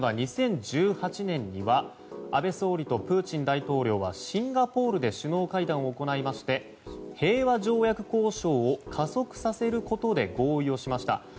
更には２０１８年安倍総理とプーチン大統領はシンガポールで首脳会談を行いまして平和条約交渉を加速させることで合意をしました。